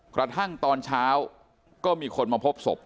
กระทั่งตอนเช้าก็มีคนมาพบศพ